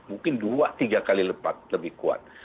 mungkin dua tiga kali lipat lebih kuat